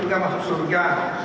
mereka masuk surga